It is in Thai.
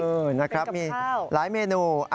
เป็นกับข้าวมีหลายเมนู